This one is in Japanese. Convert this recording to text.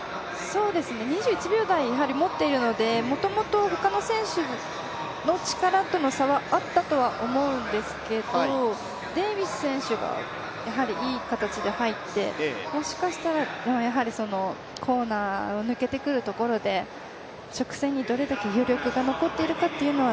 ２１秒台持っているので、もともと他の選手との力の差はあったとは思うんですけど、デービス選手がいいところに入ってもしかしたら、コーなーを抜けてくるところで直線にどれだけ余力が残っているかというのは